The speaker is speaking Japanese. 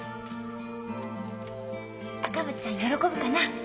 赤松さん喜ぶかな？